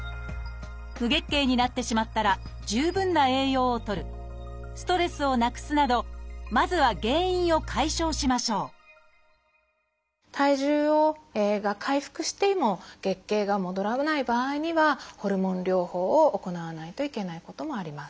無月経になってしまったら十分な栄養をとるストレスをなくすなどまずは原因を解消しましょう体重が回復しても月経が戻らない場合にはホルモン療法を行わないといけないこともあります。